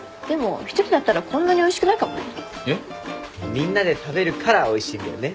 みんなで食べるからおいしいんだよね。